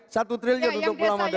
satu triliun untuk pulau madura